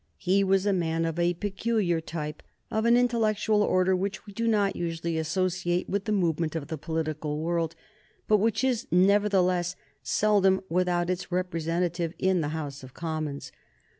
He was a man of a peculiar type, of an intellectual order which we do not usually associate with the movement of the political world, but which is, nevertheless, seldom without its representative in the House of Commons.